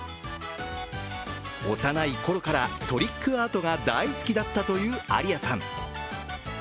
幼い頃からトリックアートが大好きだったというＡＲＩＡさん。